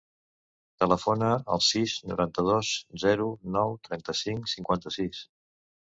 Telefona al sis, noranta-dos, zero, nou, trenta-cinc, cinquanta-sis.